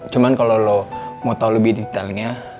cuman kalo lo mau tau lebih detailnya